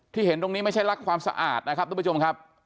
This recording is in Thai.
เห็นตรงนี้ไม่ใช่รักความสะอาดนะครับทุกผู้ชมครับ